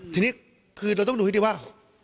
ทีนี้คือเราต้องดูให้ดีว่า